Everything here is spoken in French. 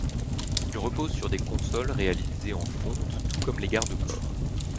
Ils reposent sur des consoles réalisées en fonte, tout comme les garde-corps.